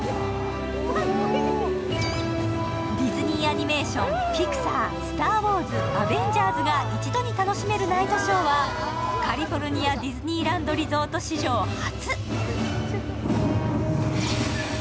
ディズニーアニメーション、ピクサー、「スター・ウォーズ」、「アベンジャーズ」が一度に楽しめるナイトショーはカリフォルニア・ディズニーランド・リゾート史上初。